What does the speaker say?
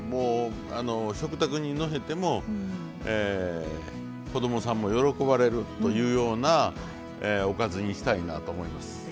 食卓にのせても子供さんも喜ばれるというようなおかずにしたいなと思います。